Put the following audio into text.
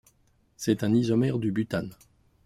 C'est un isomère du butane.